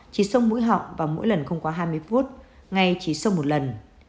chỉ sông mũi họng và mỗi lần không có hai mươi phút ngày chỉ sông một lần